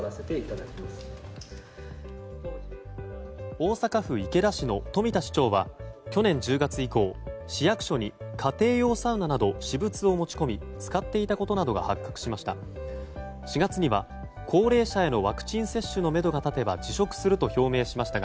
大阪府池田市の冨田市長は去年１０月以降市役所に家庭用サウナなど私物を持ち込み使っていたことなどが発覚しました。